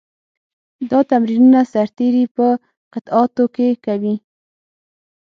دا تمرینونه سرتېري په قطعاتو کې کوي.